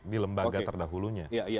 di lembaga terdahulunya